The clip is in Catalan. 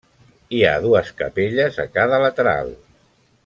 Hi ha dues capelles a cada lateral.